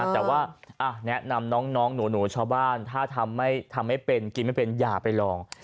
แต่ว่าแนะนำน้องหนูชาวบ้านถ้าทำไม่เป็นกินไม่เป็นอย่าไปลอง